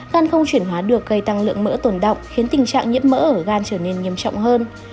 gan không chuyển hóa được gây tăng lượng mỡ tồn động khiến tình trạng nhiễm mỡ ở gan trở nên nghiêm trọng hơn